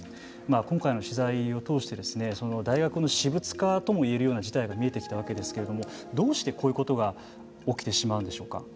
今回の取材を通して大学の私物化とも言えるような事態が見えてきたわけですけれどもどうしてこういうことが起きてしまうんでしょうか。